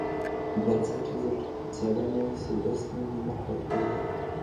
بنسټیزه څېړنه سیده ستونزي نه حل کوي.